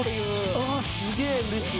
すげえうれしい。